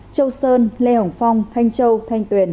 châu sơn lê hồng phong thanh châu thanh tuyền